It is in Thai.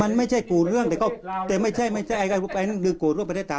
มันไม่ใช่กูเรื่องแต่ก็แต่ไม่ใช่ไม่ใช่ไอ้นึกโกรธลูกศิษย์ศรัทธา